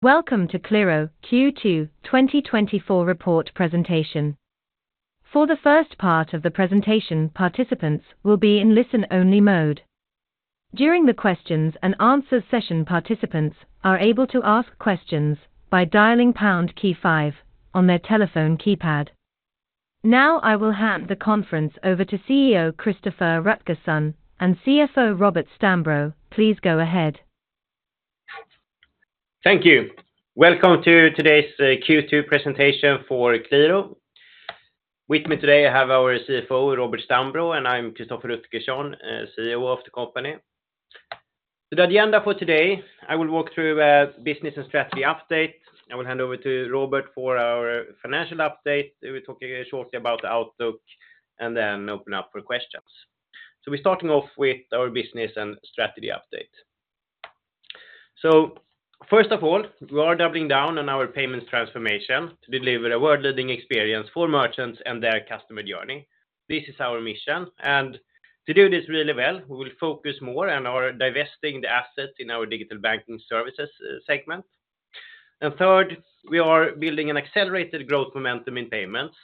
Welcome to Qliro Q2 2024 report presentation. For the first part of the presentation, participants will be in listen-only mode. During the questions and answers session, participants are able to ask questions by dialing pound key five on their telephone keypad. Now, I will hand the conference over to CEO Christoffer Rutgersson and CFO Robert Stambro. Please go ahead. Thank you. Welcome to today's Q2 presentation for Qliro. With me today, I have our CFO, Robert Stambro, and I'm Christoffer Rutgersson, CEO of the company. The agenda for today, I will walk through business and strategy update. I will hand over to Robert for our financial update. We'll talk shortly about the outlook and then open up for questions. So we're starting off with our business and strategy update. So first of all, we are doubling down on our payments transformation to deliver a world-leading experience for merchants and their customer journey. This is our mission, and to do this really well, we will focus more on our divesting the assets in our digital banking services segment. And third, we are building an accelerated growth momentum in payments.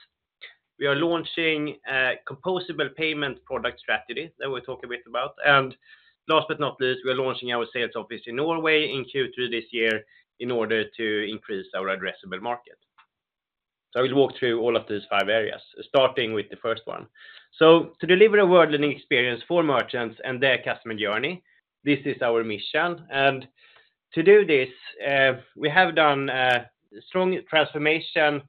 We are launching a composable payment product strategy that we'll talk a bit about. And last but not least, we are launching our sales office in Norway in Q3 this year in order to increase our addressable market. So I will walk through all of these five areas, starting with the first one. So to deliver a world-leading experience for merchants and their customer journey, this is our mission. And to do this, we have done a strong transformation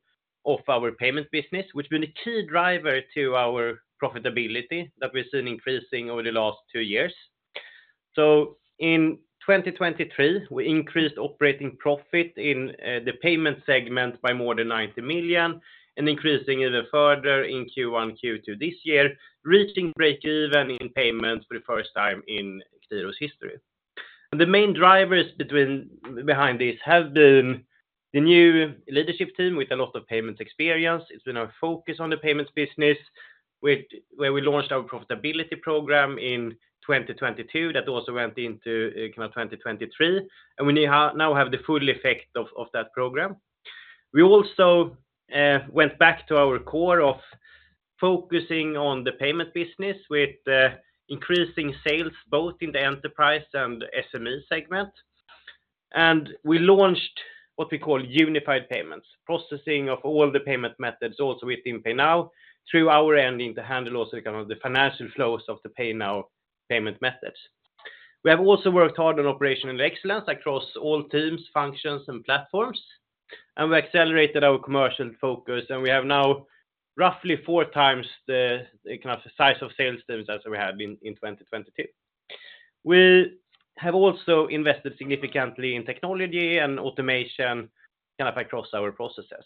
of our payment business, which been a key driver to our profitability that we've seen increasing over the last two years. So in 2023, we increased operating profit in the payment segment by more than 90 million and increasing even further in Q1, Q2 this year, reaching break even in payments for the first time in Qliro's history. And the main drivers behind this have been the new leadership team with a lot of payments experience. It's been our focus on the payments business, with where we launched our profitability program in 2022. That also went into kind of 2023, and we now have the full effect of that program. We also went back to our core of focusing on the payment business with the increasing sales, both in the enterprise and SME segment. And we launched what we call Unified Payments, processing of all the payment methods also within Pay Now, through our engine to handle also kind of the financial flows of the Pay Now payment methods. We have also worked hard on operational excellence across all teams, functions, and platforms, and we accelerated our commercial focus, and we have now roughly four times the kind of size of sales teams as we had in 2022. We have also invested significantly in technology and automation, kind of across our processes.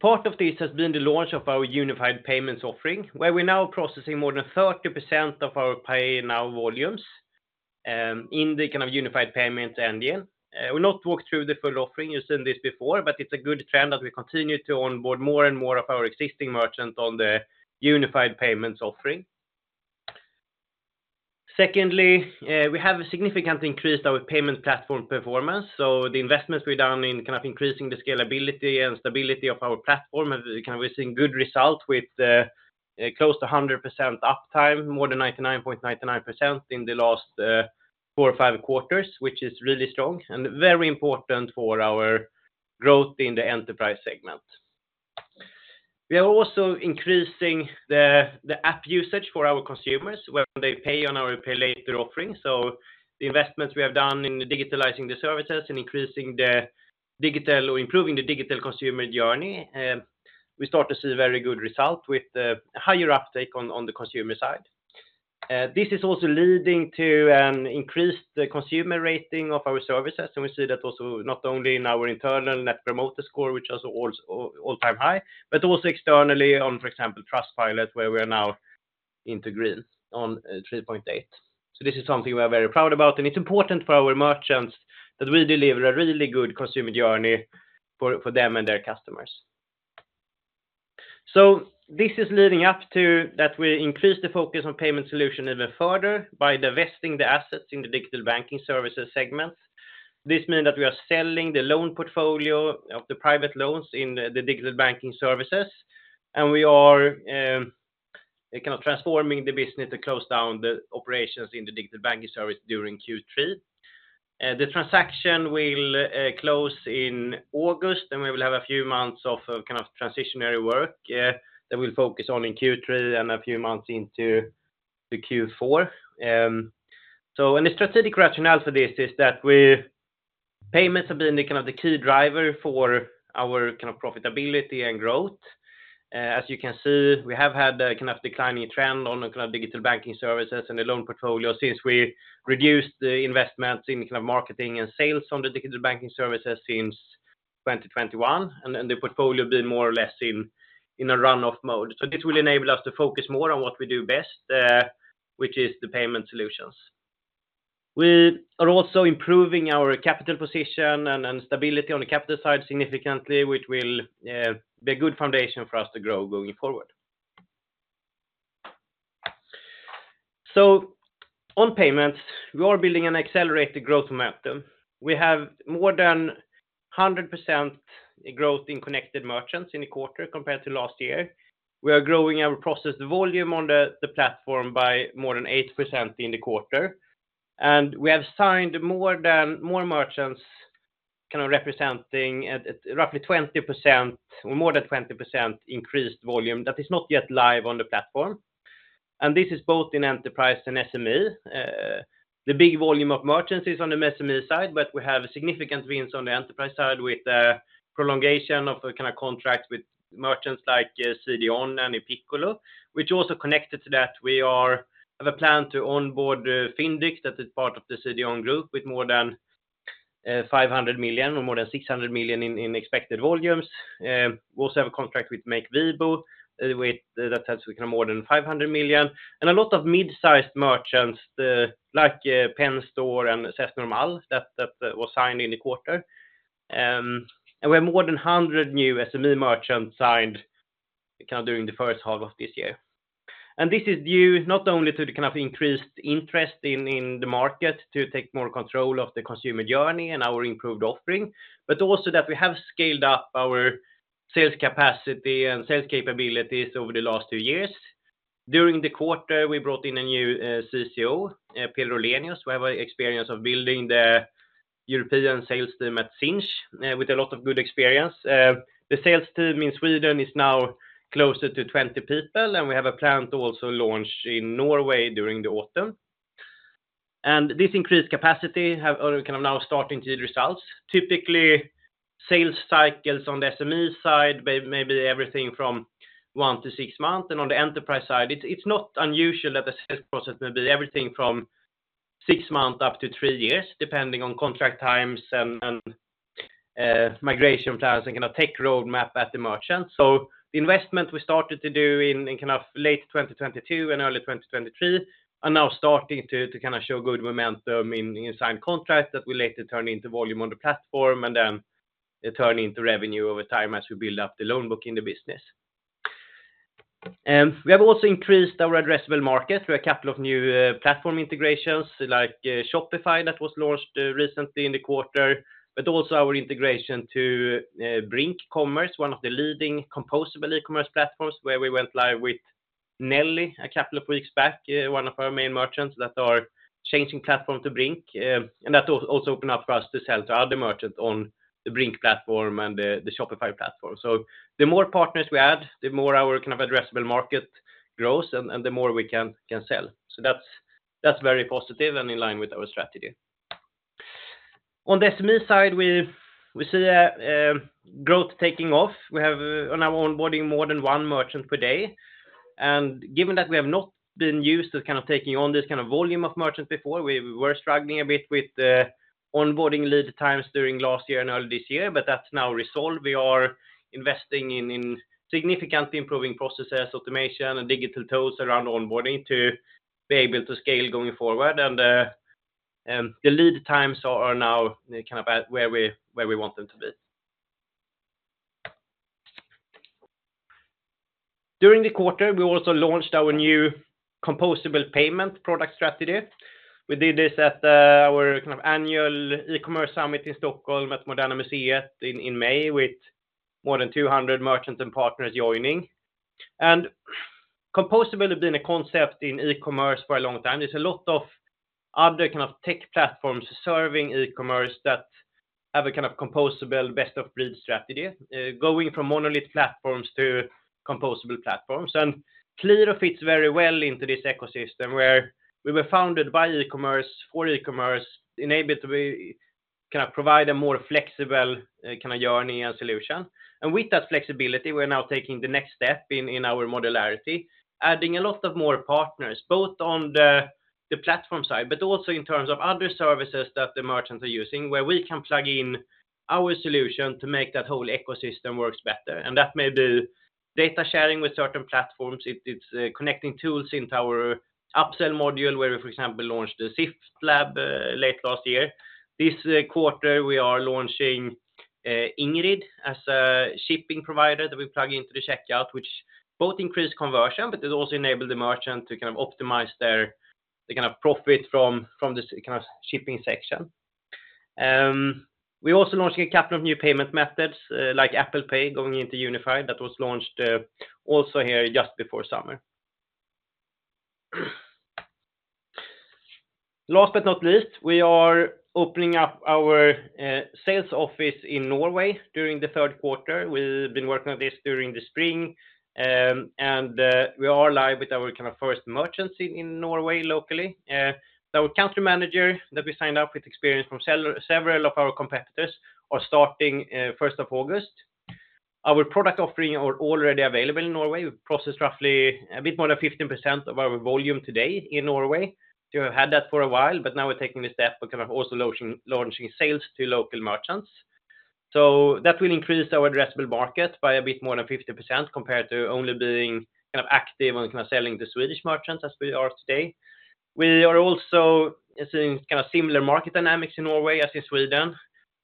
Part of this has been the launch of our Unified Payments offering, where we're now processing more than 30% of our Pay Now volumes in the kind of Unified Payments engine. We'll not walk through the full offering, you've seen this before, but it's a good trend that we continue to onboard more and more of our existing merchants on the Unified Payments offering. Secondly, we have significantly increased our payment platform performance, so the investments we've done in kind of increasing the scalability and stability of our platform, and kind of we've seen good results with close to 100% uptime, more than 99.99% in the last four or five quarters, which is really strong and very important for our growth in the enterprise segment. We are also increasing the app usage for our consumers when they pay on our Pay Later offerings. So the investments we have done in digitalizing the services and increasing the digital or improving the digital consumer journey, we start to see very good result with the higher uptake on the consumer side. This is also leading to an increased consumer rating of our services, and we see that also not only in our internal net promoter score, which is also all-time high, but also externally on, for example, Trustpilot, where we are now into green on 3.8. So this is something we are very proud about, and it's important for our merchants that we deliver a really good consumer journey for them and their customers. So this is leading up to that we increase the focus on payment solution even further by divesting the assets in the digital banking services segment. This mean that we are selling the loan portfolio of the private loans in the digital banking services, and we are kind of transforming the business to close down the operations in the digital banking service during Q3. The transaction will close in August, and we will have a few months of kind of transitionary work that we'll focus on in Q3 and a few months into the Q4. So and the strategic rationale for this is that we—payments have been the kind of the key driver for our kind of profitability and growth. As you can see, we have had a kind of declining trend on the kind of digital banking services and the loan portfolio since we reduced the investment in kind of marketing and sales on the digital banking services since 2021, and then the portfolio being more or less in a run-off mode. So this will enable us to focus more on what we do best, which is the payment solutions. We are also improving our capital position and stability on the capital side significantly, which will be a good foundation for us to grow going forward. So on payments, we are building an accelerated growth momentum. We have more than 100% growth in connected merchants in the quarter compared to last year. We are growing our processed volume on the platform by more than 8% in the quarter, and we have signed more merchants, kind of representing at roughly 20%, or more than 20% increased volume that is not yet live on the platform. And this is both in enterprise and SME, the big volume of merchants is on the SME side, but we have significant wins on the enterprise side with the prolongation of the kind of contracts with merchants like CDON and Piccolo, which also connected to that we have a plan to onboard Fyndiq, that is part of the CDON group, with more than 500 million or more than 600 million in expected volumes. We also have a contract with Makevivo, with that has kind of more than 500 million. A lot of mid-sized merchants, like, Pen Store and C'est Normal, that was signed in the quarter. We have more than 100 new SME merchants signed, kind of during the first half of this year. This is due not only to the kind of increased interest in the market, to take more control of the consumer journey and our improved offering, but also that we have scaled up our sales capacity and sales capabilities over the last 2 years. During the quarter, we brought in a new CCO, Peter Rulenius, who have experience of building the European sales team at Sinch, with a lot of good experience. The sales team in Sweden is now closer to 20 people, and we have a plan to also launch in Norway during the autumn. This increased capacity have kind of now starting to yield results. Typically, sales cycles on the SME side may be everything from 1-6 months, and on the enterprise side, it's not unusual that the sales process may be everything from 6 months up to 3 years, depending on contract times and migration plans and kind of tech roadmap at the merchant. So the investment we started to do in, in kind of late 2022 and early 2023 are now starting to, to kind of show good momentum in, in signed contracts that will later turn into volume on the platform, and then it turn into revenue over time as we build up the loan book in the business. We have also increased our addressable market through a couple of new platform integrations, like Shopify, that was launched recently in the quarter, but also our integration to Brink Commerce, one of the leading composable e-commerce platforms, where we went live with Nelly a couple of weeks back, one of our main merchants that are changing platform to Brink. And that also opened up for us to sell to other merchants on the Brink platform and the Shopify platform. So the more partners we add, the more our kind of addressable market grows and the more we can sell. So that's very positive and in line with our strategy. On the SME side, we see a growth taking off. We have on our onboarding more than 1 merchant per day, and given that we have not been used to kind of taking on this kind of volume of merchants before, we were struggling a bit with the onboarding lead times during last year and early this year, but that's now resolved. We are investing in significantly improving processes, automation and digital tools around onboarding to be able to scale going forward. The lead times are now kind of at where we want them to be. During the quarter, we also launched our new composable payment product strategy. We did this at our kind of annual e-commerce summit in Stockholm, at Moderna Museet in May, with more than 200 merchants and partners joining. Composability been a concept in e-commerce for a long time. There's a lot of other kind of tech platforms serving e-commerce that have a kind of composable, best-of-breed strategy, going from monolith platforms to composable platforms. Qliro fits very well into this ecosystem, where we were founded by e-commerce, for e-commerce, enable it to be, kind of provide a more flexible, kind of journey and solution. With that flexibility, we're now taking the next step in our modularity, adding a lot of more partners, both on the platform side, but also in terms of other services that the merchants are using, where we can plug in our solution to make that whole ecosystem works better. That may be data sharing with certain platforms. It's connecting tools into our upsell module, where we, for example, launched the Sift Lab late last year. This quarter, we are launching Ingrid as a shipping provider that we plug into the checkout, which both increase conversion, but it also enable the merchant to kind of optimize their, the kind of profit from, from the kind of shipping section. We also launching a couple of new payment methods, like Apple Pay, going into Unified. That was launched also here just before summer. Last but not least, we are opening up our sales office in Norway during the third quarter. We've been working on this during the spring, and we are live with our kind of first merchants in Norway locally. Our country manager that we signed up with experience from several of our competitors, are starting first of August. Our product offering are already available in Norway. We process roughly a bit more than 15% of our volume today in Norway. So we've had that for a while, but now we're taking the step, we're kind of also launching sales to local merchants. So that will increase our addressable market by a bit more than 50%, compared to only being kind of active and kind of selling to Swedish merchants, as we are today.... We are also seeing kind of similar market dynamics in Norway as in Sweden,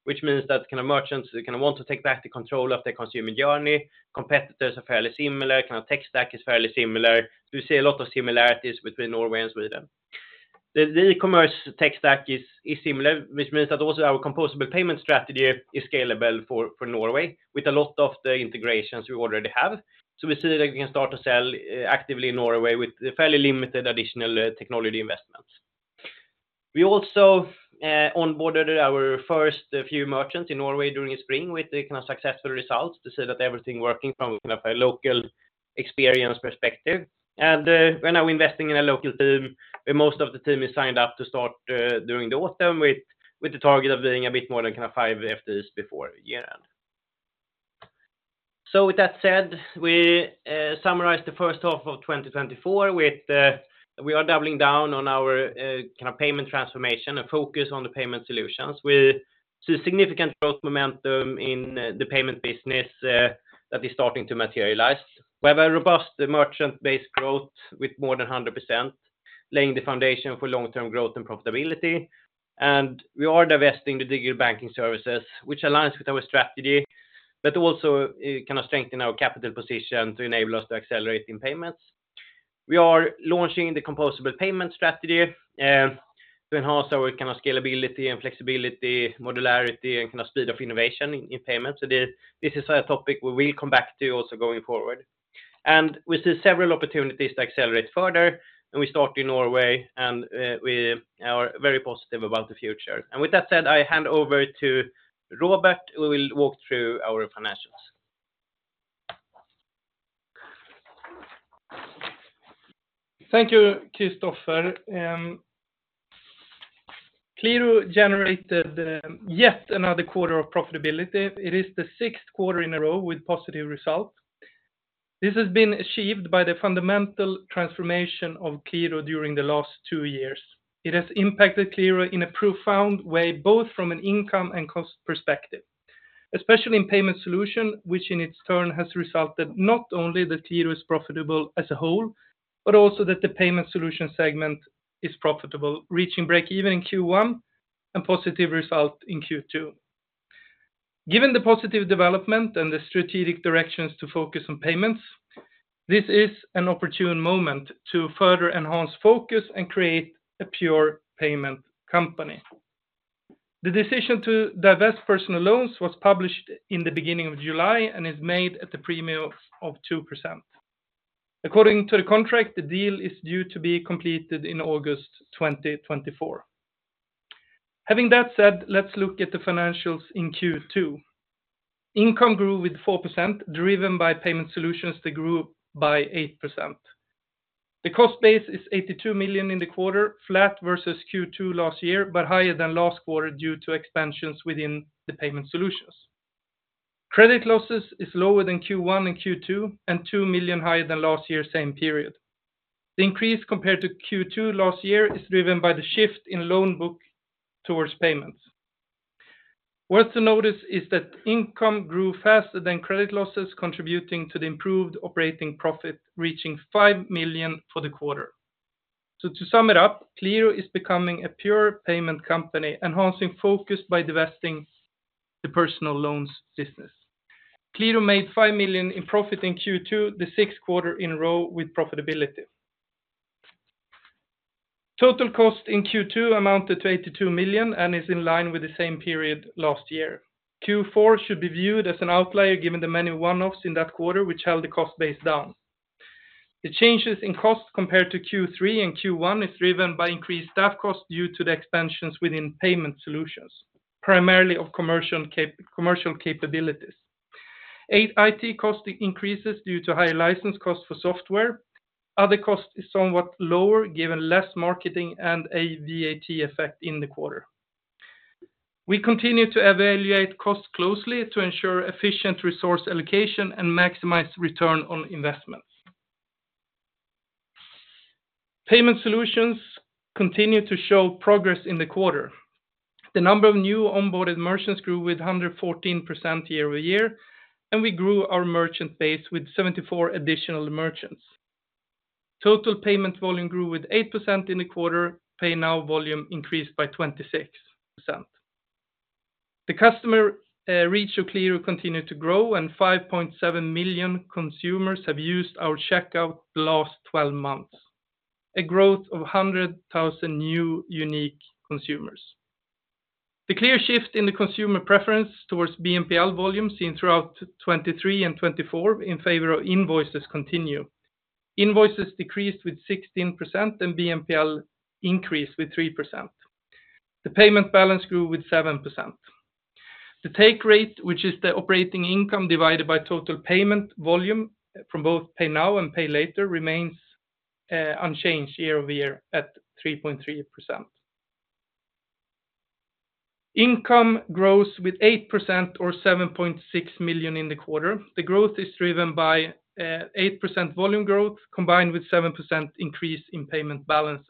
which means that kind of merchants kind of want to take back the control of their consumer journey. Competitors are fairly similar, kind of tech stack is fairly similar. We see a lot of similarities between Norway and Sweden. The e-commerce tech stack is similar, which means that also our Composable Payments strategy is scalable for Norway, with a lot of the integrations we already have. So we see that we can start to sell actively in Norway with fairly limited additional technology investments. We also onboarded our first few merchants in Norway during the spring with the kind of successful results to see that everything working from kind of a local experience perspective. We're now investing in a local team, where most of the team is signed up to start during the autumn, with the target of being a bit more than kind of five FTEs before year-end. So with that said, we summarize the first half of 2024 with we are doubling down on our kind of payment transformation and focus on the payment solutions. We see significant growth momentum in the payment business that is starting to materialize. We have a robust merchant-based growth with more than 100%, laying the foundation for long-term growth and profitability. We are divesting the digital banking services, which aligns with our strategy, but also, it kind of strengthen our capital position to enable us to accelerate in payments. We are launching the composable payment strategy to enhance our kind of scalability and flexibility, modularity, and kind of speed of innovation in payments. So this is a topic we will come back to also going forward. And we see several opportunities to accelerate further, and we start in Norway, and, we are very positive about the future. And with that said, I hand over to Robert, who will walk through our financials. Thank you, Christoffer. Qliro generated yet another quarter of profitability. It is the sixth quarter in a row with positive results. This has been achieved by the fundamental transformation of Qliro during the last two years. It has impacted Qliro in a profound way, both from an income and cost perspective, especially in payment solution, which in its turn has resulted not only that Qliro is profitable as a whole, but also that the payment solution segment is profitable, reaching break-even in Q1 and positive result in Q2. Given the positive development and the strategic directions to focus on payments, this is an opportune moment to further enhance focus and create a pure payment company. The decision to divest personal loans was published in the beginning of July and is made at the premium of 2%. According to the contract, the deal is due to be completed in August 2024. Having that said, let's look at the financials in Q2. Income grew with 4%, driven by payment solutions that grew by 8%. The cost base is 82 million in the quarter, flat versus Q2 last year, but higher than last quarter due to expansions within the payment solutions. Credit losses is lower than Q1 and Q2, and 2 million higher than last year same period. The increase compared to Q2 last year is driven by the shift in loan book towards payments. Worth noting is that income grew faster than credit losses, contributing to the improved operating profit, reaching 5 million for the quarter. So to sum it up, Qliro is becoming a pure payment company, enhancing focus by divesting the personal loans business. Qliro made 5 million in profit in Q2, the sixth quarter in a row with profitability. Total cost in Q2 amounted to 82 million and is in line with the same period last year. Q4 should be viewed as an outlier, given the many one-offs in that quarter, which held the cost base down. The changes in cost compared to Q3 and Q1 is driven by increased staff costs due to the expansions within payment solutions, primarily of commercial capabilities. The IT cost increases due to higher license costs for software. Other costs is somewhat lower, given less marketing and a VAT effect in the quarter. We continue to evaluate costs closely to ensure efficient resource allocation and maximize return on investments. Payment solutions continue to show progress in the quarter. The number of new onboarded merchants grew with 114% year-over-year, and we grew our merchant base with 74 additional merchants. Total payment volume grew with 8% in the quarter. Pay Now volume increased by 26%. The customer reach of continued to grow, and 5.7 million consumers have used our checkout the last twelve months, a growth of 100,000 new unique consumers. The clear shift in the consumer preference towards BNPL volume, seen throughout 2023 and 2024, in favor of invoices continue. Invoices decreased with 16%, and BNPL increased with 3%. The payment balance grew with 7%. The take rate, which is the operating income divided by total payment volume from both Pay Now and Pay Later, remains unchanged year-over-year at 3.3%. Income grows with 8% or 7.6 million in the quarter. The growth is driven by 8% volume growth, combined with 7% increase in payment balances.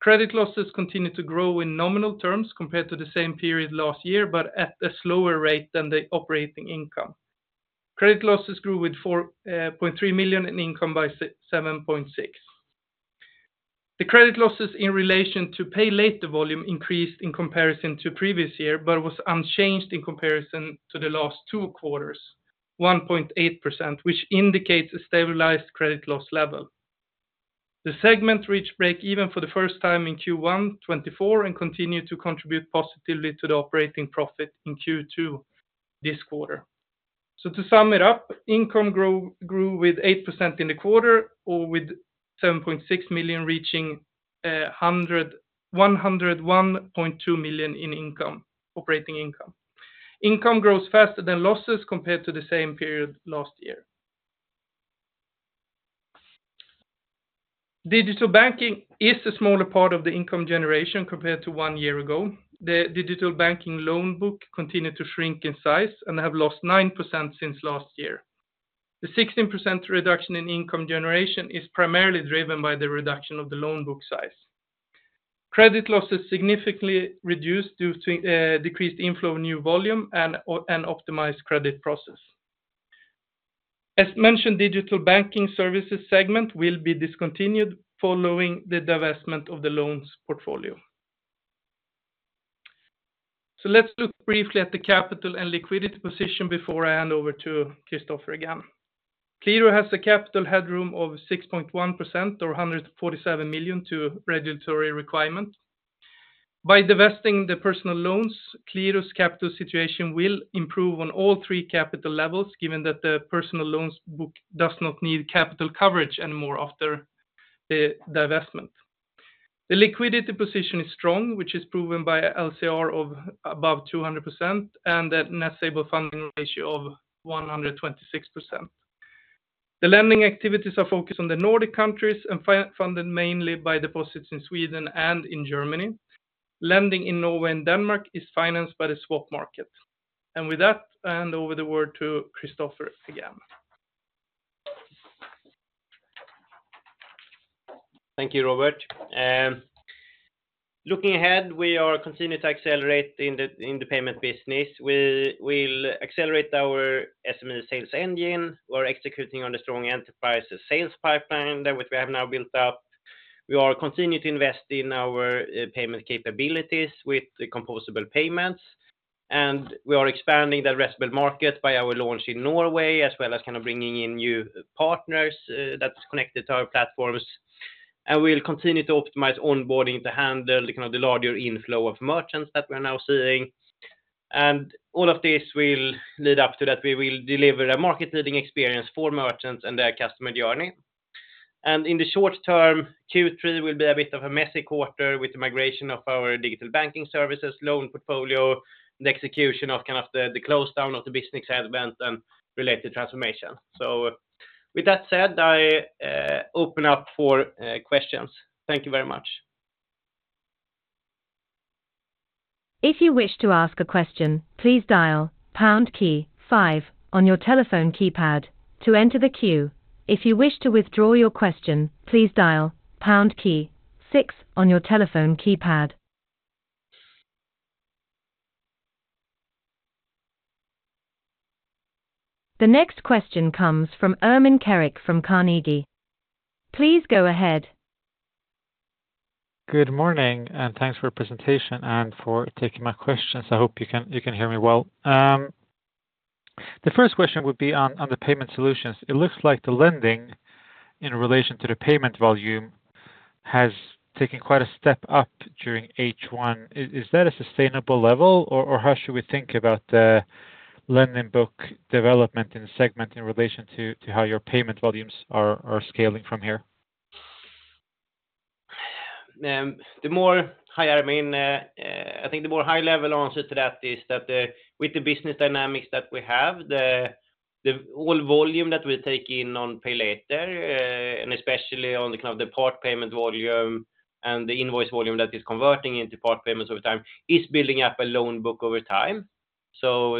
Credit losses continue to grow in nominal terms compared to the same period last year, but at a slower rate than the operating income. Credit losses grew with 4.3 million in income by 7.6. The credit losses in relation to Pay Later volume increased in comparison to previous year, but was unchanged in comparison to the last two quarters, 1.8%, which indicates a stabilized credit loss level. The segment reached break even for the first time in Q1 2024 and continued to contribute positively to the operating profit in Q2 this quarter. So to sum it up, income grew with 8% in the quarter or with 7.6 million, reaching 101.2 million in operating income. Income grows faster than losses compared to the same period last year. Digital banking is a smaller part of the income generation compared to one year ago. The digital banking loan book continued to shrink in size and have lost 9% since last year. The 16% reduction in income generation is primarily driven by the reduction of the loan book size. Credit loss is significantly reduced due to decreased inflow of new volume and optimized credit process. As mentioned, digital banking services segment will be discontinued following the divestment of the loans portfolio. So let's look briefly at the capital and liquidity position before I hand over to Christopher again. Qliro has a capital headroom of 6.1% or 147 million to regulatory requirement. By divesting the personal loans, Qliro's capital situation will improve on all three capital levels, given that the personal loans book does not need capital coverage anymore after divestment. The liquidity position is strong, which is proven by LCR of above 200%, and that Net Stable Funding ratio of 126%. The lending activities are focused on the Nordic countries and funded mainly by deposits in Sweden and in Germany. Lending in Norway and Denmark is financed by the swap market. With that, I hand over the word to Christoffer again. Thank you, Robert. Looking ahead, we are continuing to accelerate in the payment business. We will accelerate our SME sales engine. We're executing on a strong enterprise sales pipeline that which we have now built up. We are continuing to invest in our payment capabilities with the Composable Payments, and we are expanding the rest of the market by our launch in Norway, as well as kind of bringing in new partners that's connected to our platforms. We'll continue to optimize onboarding to handle kind of the larger inflow of merchants that we are now seeing. All of this will lead up to that we will deliver a market leading experience for merchants and their customer journey. In the short term, Q3 will be a bit of a messy quarter with the migration of our digital banking services, loan portfolio, the execution of kind of the close down of the business event and related transformation. With that said, I open up for questions. Thank you very much. If you wish to ask a question, please dial pound key five on your telephone keypad to enter the queue. If you wish to withdraw your question, please dial pound key six on your telephone keypad. The next question comes from Ermin Keric from Carnegie. Please go ahead. Good morning, and thanks for your presentation and for taking my questions. I hope you can, you can hear me well. The first question would be on, on the payment solutions. It looks like the lending in relation to the payment volume has taken quite a step up during H1. Is, is that a sustainable level, or, or how should we think about the lending book development in the segment in relation to, to how your payment volumes are, are scaling from here? The more higher, I mean, I think the more high level answer to that is that with the business dynamics that we have, the all volume that we take in on pay later, and especially on the kind of the part payment volume and the invoice volume that is converting into part payments over time, is building up a loan book over time. So,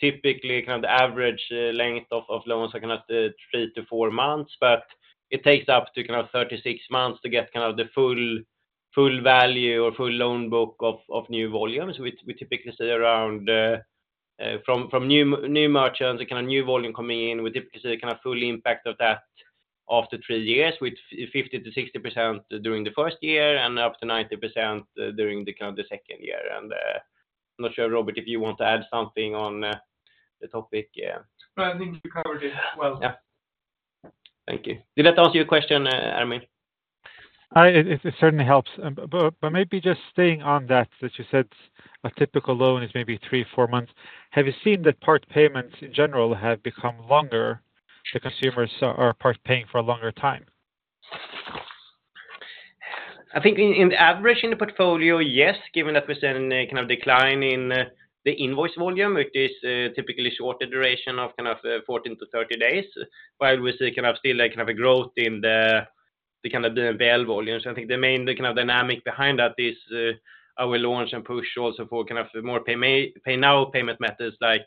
typically, kind of the average length of loans are kind of 3-4 months, but it takes up to kind of 36 months to get kind of the full value or full loan book of new volumes, which we typically see around from new merchants, the kind of new volume coming in, we typically see the kind of full impact of that after 3 years, with 50%-60% during the first year and up to 90% during kind of the second year. I'm not sure, Robert, if you want to add something on the topic, yeah. I think you covered it well. Yeah. Thank you. Did that answer your question, Ermin? It certainly helps. But maybe just staying on that you said, a typical loan is maybe 3 or 4 months. Have you seen that part payments in general have become longer? The consumers are part paying for a longer time. I think on average in the portfolio, yes, given that we're seeing a kind of decline in the invoice volume, which is typically shorter duration of kind of 14-30 days, while we see kind of still a kind of a growth in the kind of the BL volumes. I think the main, the kind of dynamic behind that is our launch and push also for kind of more pay now payment methods like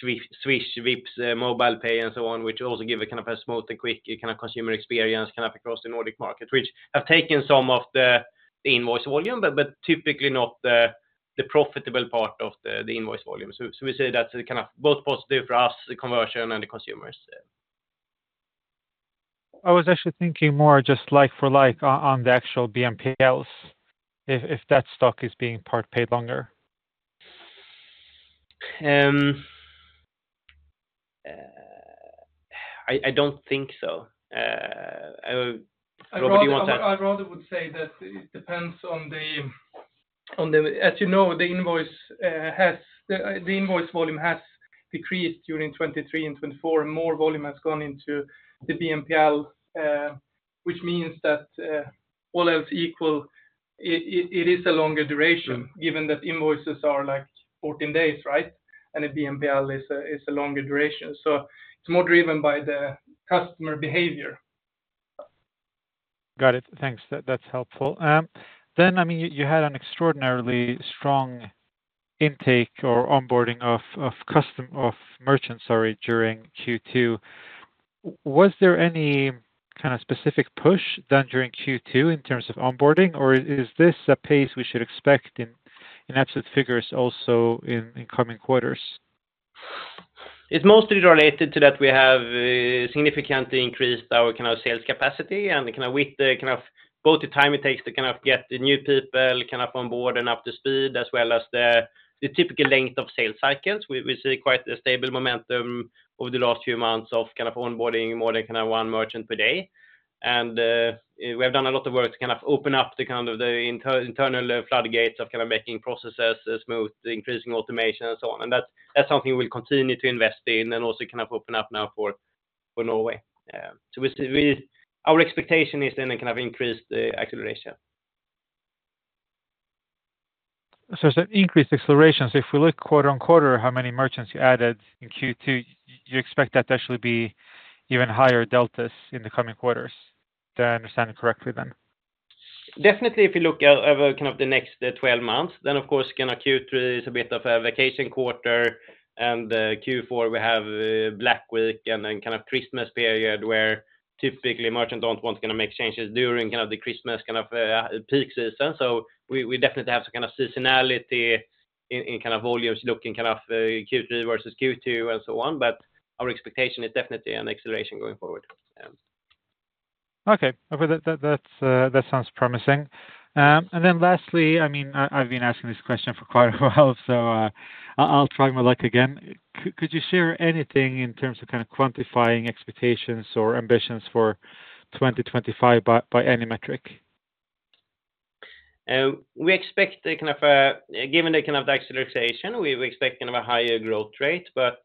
Swish, Vipps, MobilePay, and so on, which also give a kind of a smooth and quick kind of consumer experience kind of across the Nordic market, which have taken some of the invoice volume, but typically not the profitable part of the invoice volume. So, we say that's kind of both positive for us, the conversion and the consumers. I was actually thinking more just like for like on the actual BNPLs, if that stock is being part paid longer. I don't think so. Robert, do you want to- I'd rather, I rather would say that it depends on the, on the—as you know, the invoice volume has decreased during 2023 and 2024, and more volume has gone into the BNPL, which means that, all else equal, it is a longer duration, given that invoices are like 14 days, right? And a BNPL is a longer duration. So it's more driven by the customer behavior. Got it. Thanks. That, that's helpful. Then, I mean, you had an extraordinarily strong intake or onboarding of merchants, sorry, during Q2. Was there any kind of specific push done during Q2 in terms of onboarding, or is this a pace we should expect in absolute figures also in coming quarters? It's mostly related to that we have significantly increased our kind of sales capacity and kind of with the kind of both the time it takes to kind of get the new people kind of on board and up to speed, as well as the typical length of sales cycles. We see quite a stable momentum over the last few months of kind of onboarding more than kind of one merchant per day. And we have done a lot of work to kind of open up the kind of the internal floodgates of kind of making processes smooth, increasing automation and so on. And that's something we'll continue to invest in and also kind of open up now for Norway. So our expectation is then a kind of increased acceleration. It's an increased acceleration. If we look quarter on quarter, how many merchants you added in Q2, you expect that to actually be even higher deltas in the coming quarters? Do I understand it correctly then? Definitely, if you look at over kind of the next 12 months, then, of course, kind of Q3 is a bit of a vacation quarter, and Q4, we have Black Week and then kind of Christmas period, where typically, merchants don't want to kind of make changes during kind of the Christmas kind of peak season. So we definitely have some kind of seasonality in kind of volumes looking kind of Q3 versus Q2 and so on, but our expectation is definitely an acceleration going forward. Yeah. Okay. Well, that sounds promising. And then lastly, I mean, I've been asking this question for quite a while, so I'll try my luck again. Could you share anything in terms of kind of quantifying expectations or ambitions for 2025 by any metric? We expect, given the kind of acceleration, we expect kind of a higher growth rate, but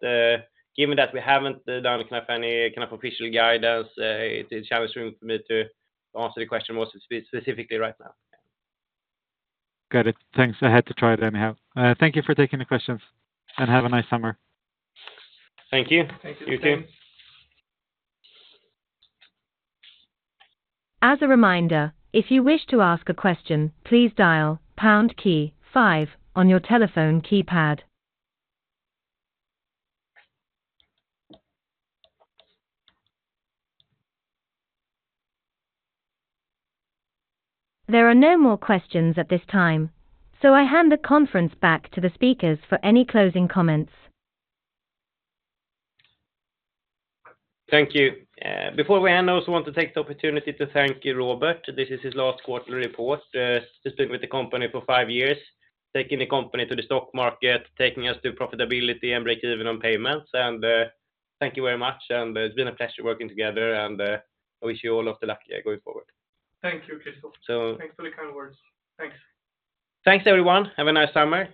given that we haven't done kind of any kind of official guidance, it is challenging for me to answer the question more specifically right now. Got it. Thanks. I had to try it anyhow. Thank you for taking the questions, and have a nice summer. Thank you. Thank you. You too. As a reminder, if you wish to ask a question, please dial pound key five on your telephone keypad. There are no more questions at this time, so I hand the conference back to the speakers for any closing comments. Thank you. Before we end, I also want to take the opportunity to thank you, Robert. This is his last quarterly report. He's been with the company for five years, taking the company to the stock market, taking us to profitability and break even on payments. Thank you very much, and it's been a pleasure working together, and I wish you all of the luck going forward. Thank you, Christoffer. So- Thanks for the kind words. Thanks. Thanks, everyone. Have a nice summer.